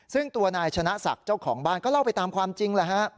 ซึ่งตัวนายชนะศักดิ์เจ้าของบ้านก็เล่าไปตามความจริงแหละฮะ